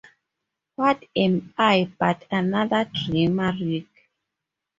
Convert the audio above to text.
What am I but another dreamer, Rick?